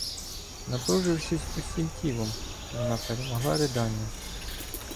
Напружившись усім тілом, вона перемогла ридання.